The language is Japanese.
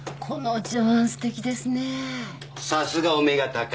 さすがお目が高い。